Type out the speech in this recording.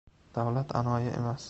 Davlat anoyi emas.